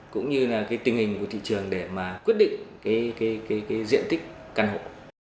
cũng như tình hình của thị trường để quyết định diện tích căn hộ